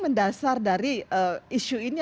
mendasar dari isu ini